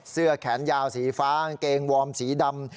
เสื้อแขนยาวสีฟ้ากางเกงวอร์มสีดำ